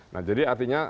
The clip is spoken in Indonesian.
nah jadi artinya